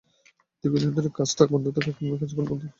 দীর্ঘদিন ধরে কাজ বন্ধ থাকায় একাডেমিক কার্যক্রম শুরু করা যাচ্ছে না।